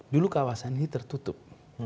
dulu kawasan ini tertutup